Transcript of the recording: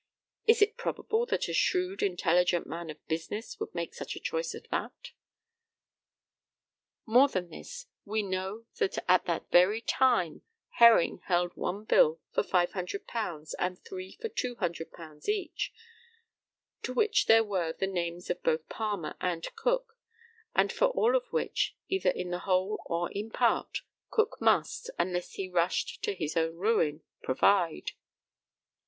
Is it probable that a shrewd intelligent man of business would make such a choice as that. More than this, we know that at that very time Herring held one bill for £500, and three for £200 each, to which there were the names of both Palmer and Cook, and for all of which, either in the whole or in part, Cook must, unless he rushed to his own ruin, provide.